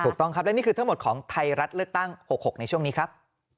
ถูกต้องครับและนี่คือทั้งหมดของไทยรัฐเลือกตั้ง๖๖ในช่วงนี้ครับ